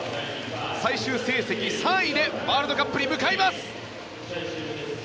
最終成績３位でワールドカップに向かいます！